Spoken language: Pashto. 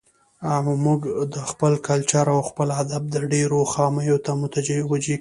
او موږ د خپل کلچر او خپل ادب ډېرو خاميو ته متوجه کوي.